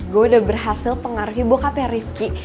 gue udah berhasil pengaruhi bokapnya rifki